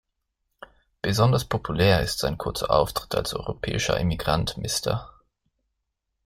Besonders populär ist sein kurzer Auftritt als europäischer Emigrant Mr.